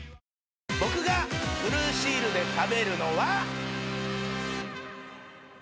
僕がブルーシールで食べるのは。